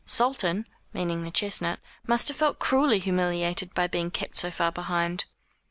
Sultan," meaning the chestnut "must have felt cruelly humiliated by being kept so far behind."